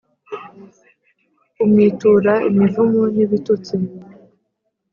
umwitura imivumo n’ibitutsi,